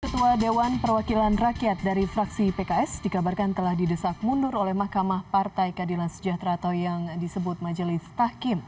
ketua dewan perwakilan rakyat dari fraksi pks dikabarkan telah didesak mundur oleh mahkamah partai kadilan sejahtera atau yang disebut majelis tahkim